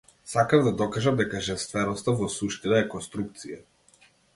Сакав да докажам дека женственоста во суштина е конструкција.